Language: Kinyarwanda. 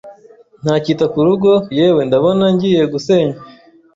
ntakita ku rugo, yewe ndabona ngiye gusenya!”